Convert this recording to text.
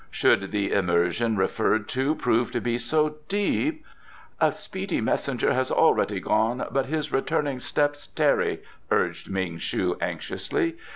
"Should the immersion referred to prove to be so deep " "A speedy messenger has already gone, but his returning footsteps tarry," urged Ming shu anxiously.